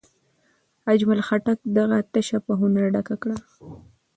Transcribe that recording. اجمل خټک دغه تشه په هنر ډکه کړه.